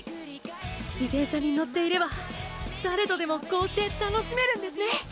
自転車に乗っていれば誰とでもこうして楽しめるんですね！